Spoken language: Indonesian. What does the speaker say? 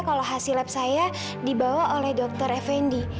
kalau hasil lab saya dibawa oleh dr effendi